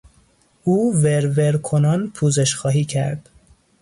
او ور ور کنان پوزش خواهی کرد.